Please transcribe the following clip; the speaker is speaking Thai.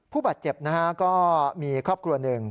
ผู้บาดเจ็บนะฮะก็มีครอบครัวหนึ่ง